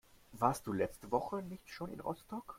Warst du letzte Woche nicht schon in Rostock?